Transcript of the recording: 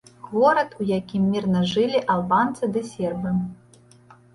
Горад, у якім мірна жылі албанцы ды сербы.